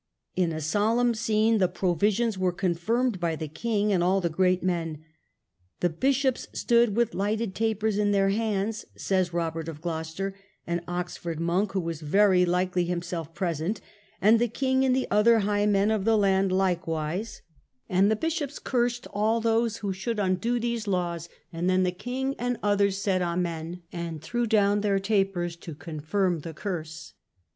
In a solemn scene the provisions were confirmed by the king and all the great men. " The bishops stood with lighted tapers in their hands," says Robert of Gloucester, an Oxford monk, who was very likely himself present, "and the king and the other high men of the land likewise, and the 72 PROVISIONS OF WESTMINSTER. bishops cursed all those who should undo these laws, and then the king and others said Amen, and threw down their tapers to confirm the curse."